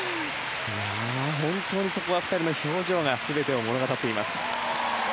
本当にそこは２人の表情が全てを物語っています。